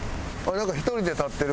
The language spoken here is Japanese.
なんか１人で立ってる。